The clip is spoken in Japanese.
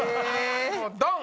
ドン！